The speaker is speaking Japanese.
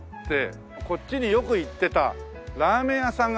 こっちによく行ってたラーメン屋さんがあるんだ。